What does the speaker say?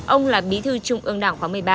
ông là bí thư trung ương đảng khóa một mươi ba